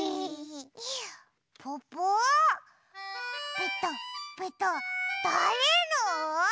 ペタペタだれの？